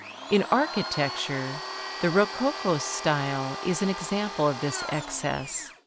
In architecture the rococo style is an example of this excess.